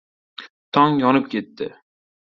Tong yonib ketdi.